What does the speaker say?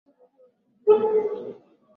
kwa sababu ya siasa yake ya ubaguzi wa rangi